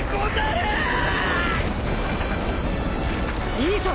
いいぞ。